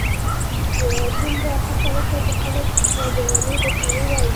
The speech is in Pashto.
دومره هڅه وکړه چي خلک په لیوني درته ووایي.